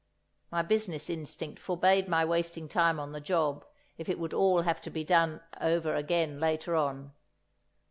(My business instinct forbade my wasting time on the job if it would all have to be done over again later on.)